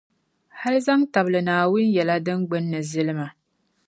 hali zaŋ tabili Naawuni yɛla din gbinni zilima.